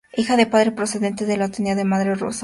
Hija de padre procedente de Letonia y de madre rusa.